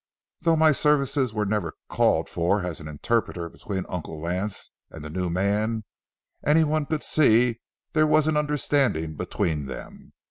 Though my services were never called for as interpreter between Uncle Lance and the new man, any one could see there was an understanding between them.